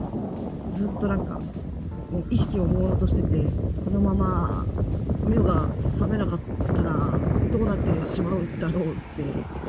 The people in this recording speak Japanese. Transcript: ずっとなんか、意識がもうろうとしてて、このまま目が覚めなかったらどうなってしまうんだろうって。